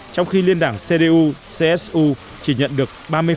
trong khi liên đảng cdu csu chỉ nhận được ba mươi